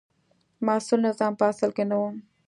مسوول نظام په اصل کې نه و.